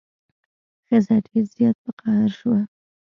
ښځه ډیر زیات په قهر شوه.